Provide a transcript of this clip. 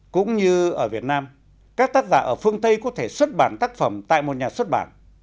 cũng như ở việt nam các tác giả ở phương tây có thể xuất bản tác phẩm tại một nhà xuất bản